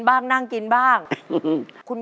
ตัวเลือกที่สอง๘คน